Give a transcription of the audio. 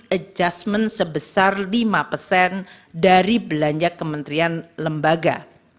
penyesuaian sebesar lima dari belanja kementerian lembaga